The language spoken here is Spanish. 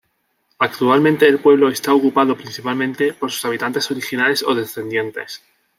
Actualmente el pueblo está ocupado principalmente por sus habitantes originales o descendientes.